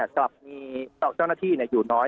กลับมีเจ้าหน้าที่อยู่น้อย